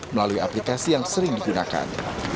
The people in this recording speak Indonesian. melalui aplikasi yang sering digunakan